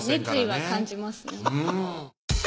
熱意は感じますね